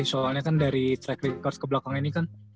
soalnya kan dari track record kebelakang ini kan